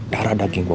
darah daging gue